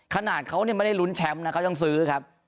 ขนาดเขาไม่ได้ลุ้นแชมป์นะเขายังซื้อครับ